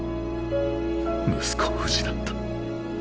息子を失った。